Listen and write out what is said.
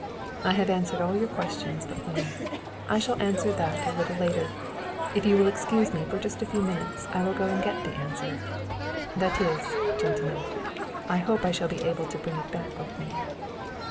"I have answered all your questions but one; I shall answer that a little later, if you will excuse me for just a few minutes I will go and get the answer, that is, gentlemen, I hope I shall be able to bring it back with me."